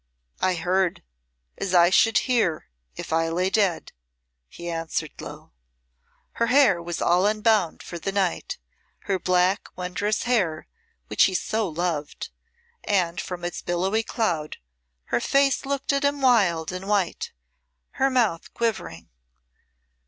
"I heard, as I should hear if I lay dead," he answered low. Her hair was all unbound for the night her black, wondrous hair which he so loved and from its billowy cloud her face looked at him wild and white, her mouth quivering.